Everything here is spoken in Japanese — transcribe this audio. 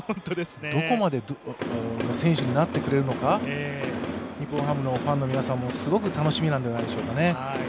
どこまでの選手になってくれるのか日本ハムのファンの皆さんもすごく楽しみなんじゃないでしょうかね。